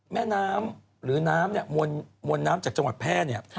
แม่น้ำหรือน้ำเนี่ยมวลน้ำจากจังหวัดแพร่เนี่ย